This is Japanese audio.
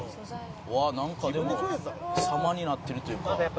「なんかでも様になってるというか」